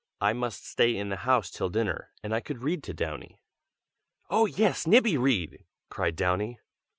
"I must stay in the house till dinner, and I could read to Downy." "Oh! yes, Nibby, read!" cried Downy.